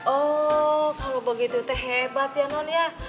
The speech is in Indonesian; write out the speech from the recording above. oh kalau begitu teh hebat ya non ya